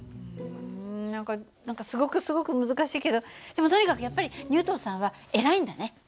うん何か何かすごくすごく難しいけどでもとにかくやっぱりニュートンさんは偉いんだね。